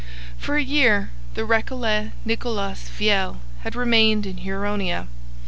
For a year the Recollet Nicolas Viel had remained in Huronia.